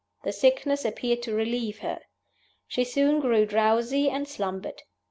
The sickness appeared to relieve her. She soon grew drowsy and slumbered. Mr.